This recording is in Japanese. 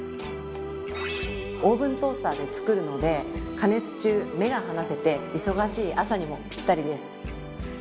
オーブントースターで作るので加熱中目が離せて忙しい朝にもぴったりです！